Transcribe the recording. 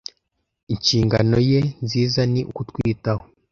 inshingano ye nziza ni ukutwitaho